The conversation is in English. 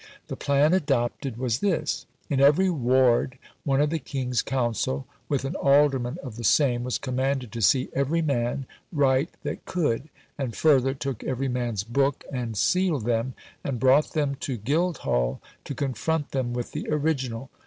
The plan adopted was this: In every ward one of the King's council, with an alderman of the same, was commanded to see every man write that could, and further took every man's book and sealed them, and brought them to Guildhall to confront them with the original.